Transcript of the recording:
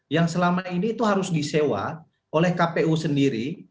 yang selama ini itu harus disewa oleh kpu sendiri